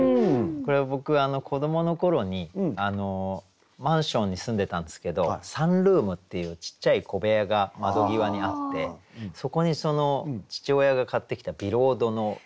これ僕子どもの頃にマンションに住んでたんですけどサンルームっていうちっちゃい小部屋が窓際にあってそこに父親が買ってきたビロードのソファーが。